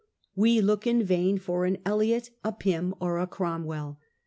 We look in vain for an Eliot, a Pym, or a Cromwell.